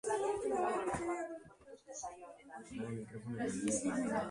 Lekukoen deklarazioaren ostean, defentsak akusatuak aske uzteko eskatuko duela eman du jakitera.